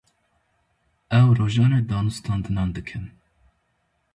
Ew rojane danûstandinan dikin.